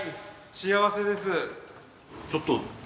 幸せです。